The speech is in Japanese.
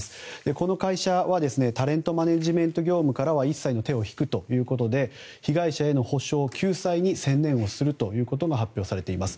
この会社はタレントマネジメント業務からは一切の手を引くということで被害者への補償・救済に専念をするということも発表されています。